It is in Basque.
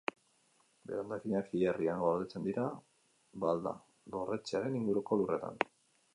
Bere hondakinak hilerrian gordetzen dira, Balda dorretxearen inguruko lurretan.